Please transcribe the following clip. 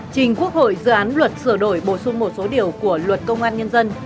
trình quốc hội dự án luật sửa đổi bổ sung một số điều của luật công an nhân dân